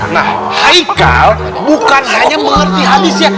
nah haikal bukan hanya mengerti aniesnya